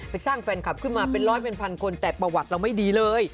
สร้างแฟนคลับขึ้นมาเป็นร้อยเป็นพันคนแต่ประวัติเราไม่ดีเลย